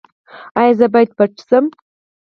ایا زه باید پټ شم؟